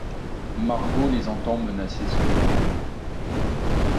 Margot les entend menacer son père...